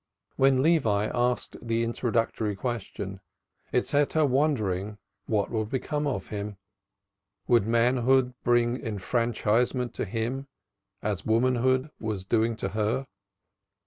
When Levi asked the introductory question, it set her wondering what would become of him? Would manhood bring enfranchisement to him as womanhood was doing to her?